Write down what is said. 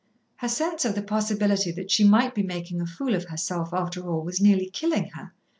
her sense of the possibility that she might be making a fool of herself after all was nearly killing her.